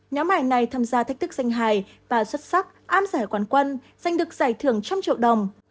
nhóm hải này tham gia thách thức danh hài và xuất sắc ám giải quán quân giành được giải thưởng một trăm linh triệu đồng